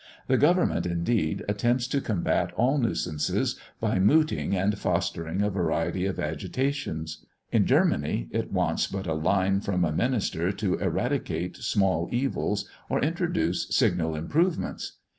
The government, indeed, attempts to combat all nuisances by mooting and fostering a variety of agitations. In Germany, it wants but a line from a minister to eradicate small evils, or introduce signal improvements.